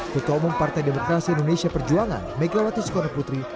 ketua umum partai demokrasi indonesia perjuangan megawati sukonoputri